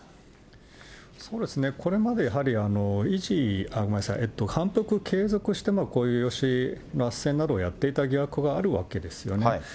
そうですね、これまでやはり、反復継続してこういう養子あっせんなどをやっていた疑惑があるわけですよね。